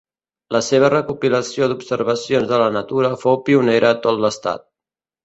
La seva recopilació d'observacions de la natura fou pionera a tot l'estat.